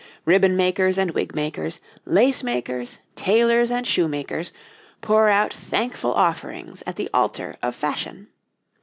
Ribbon makers and wig makers, lace makers, tailors, and shoemakers, pour out thankful offerings at the altar of Fashion.